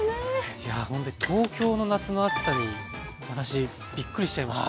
いやほんとに東京の夏の暑さに私びっくりしちゃいました。